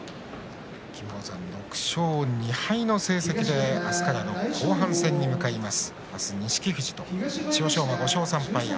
金峰山、６勝２敗の成績で明日からの後半戦に臨みます。